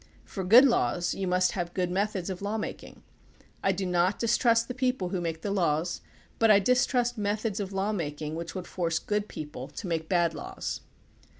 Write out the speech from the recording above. For good laws you must have good methods of lawmaking. I do not distrust the people who make the laws but I distrust methods of lawmaking which would force good people to make bad laws.